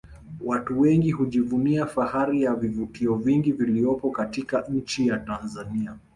Watu wengi hujivunia fahari ya vivutio vingi vilivyopo katika nchi ya Tanzania